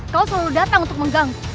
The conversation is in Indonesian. kau selalu datang untuk mengganggu